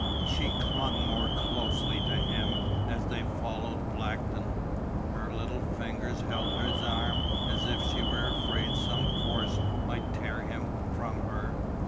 She clung more closely to him as they followed Blackton. Her little fingers held his arm as if she were afraid some force might tear him from her.